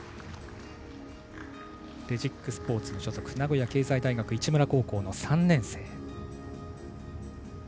レジックスポーツの所属名古屋経済大学市邨高校の３年生。